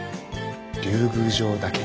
竜宮城だけに。